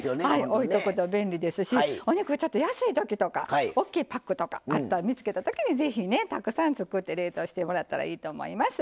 置いとくと便利ですしお肉ちょっと安いときとかおっきいパックとかあったら見つけたときにぜひねたくさん作って冷凍してもらったらいいと思います。